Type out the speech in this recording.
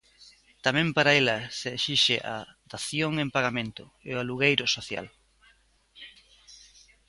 Tamén para ela se exixe a dación en pagamento e o alugueiro social.